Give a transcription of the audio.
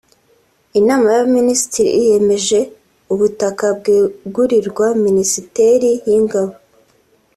Inama y’Abaminisitiri yemeje ubutaka bwegurirwa Minisiteri y’Ingabo